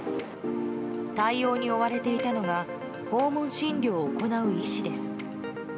対応に追われていたのが訪問診療を行う医師です。